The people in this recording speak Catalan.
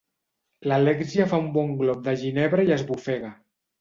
L'Alèxia fa un bon glop de ginebra i esbufega.